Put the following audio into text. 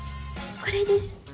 これです